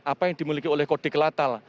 apa yang dimiliki oleh kode kelatal